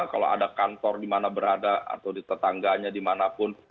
kalau ada kantor di mana berada atau di tetangganya dimanapun